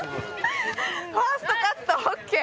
ファーストカットＯＫ！